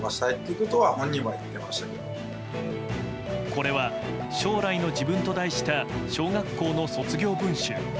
これは「将来の自分」と題した小学校の卒業文集。